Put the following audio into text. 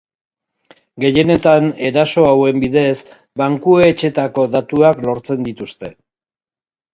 Gehienetan eraso hauen bidez bankuetxetako datuak lortzen dituzte.